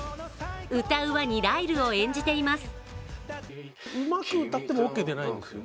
歌うワニ、ライルを演じています。